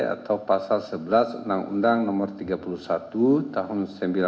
atau pasal sebelas undang undang nomor tiga puluh satu tahun seribu sembilan ratus sembilan puluh